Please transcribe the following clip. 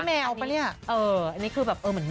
อันนี้แมวปะเนี่ย